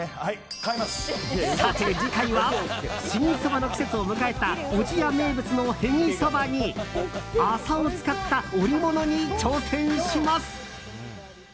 さて次回は新ソバの季節を迎えた小千谷名物のへぎそばに麻を使った織物に挑戦します。